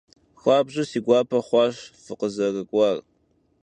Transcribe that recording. Xuabju si guape xhuaş fıkhızerık'uar.